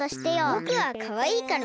ぼくはかわいいからむりです。